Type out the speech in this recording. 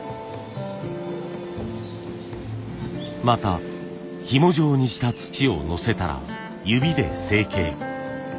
また紐状にした土をのせたら指で成形。